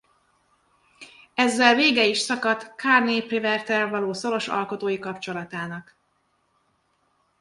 Ezzel vége is szakadt Carné Prévert-rel való szoros alkotói kapcsolatának.